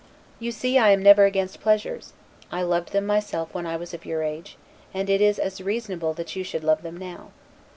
You see I am never against pleasures; I loved them myself when I was of your age, and it is as reasonable that you should love them now.